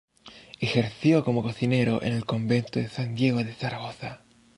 Ejerció como cocinero en el convento de San Diego en Zaragoza.